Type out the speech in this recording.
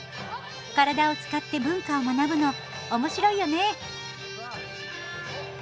体を使って文化を学ぶのおもしろいよね！